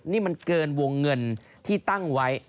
นี่มันเกินวงเงินที่ตั้งไว้